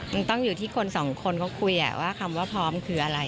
มันต้องอยู่ที่คนสองคนเขาคุยว่าคำว่าพร้อมคืออะไร